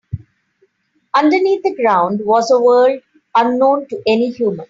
Underneath the ground was a world unknown to any human.